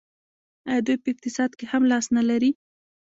آیا دوی په اقتصاد کې هم لاس نلري؟